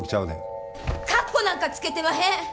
かっこなんかつけてまへん！